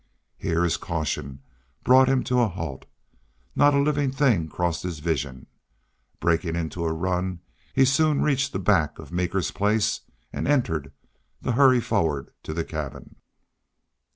Here his caution brought him to a halt. Not a living thing crossed his vision. Breaking into a run, he soon reached the back of Meeker's place and entered, to hurry forward to the cabin.